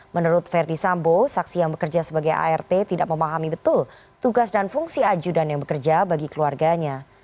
menurut verdi sambo saksi yang bekerja sebagai art tidak memahami betul tugas dan fungsi ajudan yang bekerja bagi keluarganya